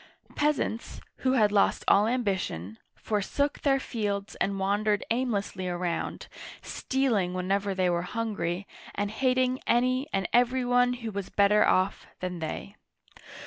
Peasants, who had lost all ambition, forsook their fields and wandered aimlessly around, stealing whenever they were hungry, and hating any and every one who was better off than they.